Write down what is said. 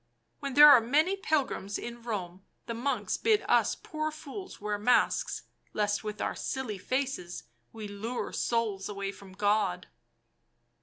" When there are many pilgrims in Home the monks bid us poor fools wear masks, lest, with our silly faces, we lure souls away from God."